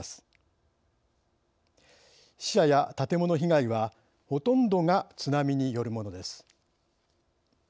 死者や建物被害はほとんどが津波によるものです。